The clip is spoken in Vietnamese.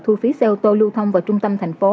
thu phí xe ô tô lưu thông vào trung tâm thành phố